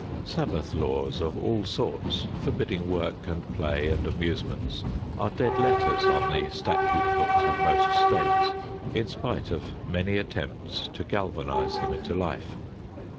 Sabbath laws of all sorts forbidding work and play and amusements are dead letters on the statute books of most states, in spite of many attempts to galvanize them into life.